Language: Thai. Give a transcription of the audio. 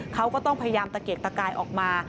เขาก็ต้องพยายามตะเกียกตะกายออกมา